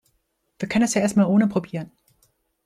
Wir können es ja erst mal ohne probieren.